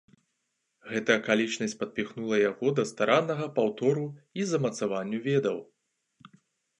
Гэта акалічнасць падпіхнула яго да стараннага паўтору і замацаванню ведаў.